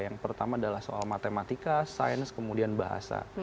yang pertama adalah soal matematika sains kemudian bahasa